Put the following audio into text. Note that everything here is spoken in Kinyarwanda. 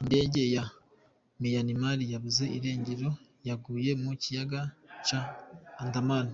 Indege ya Myanmar yabuze irengero yaguye mu kiyaga ca Andaman.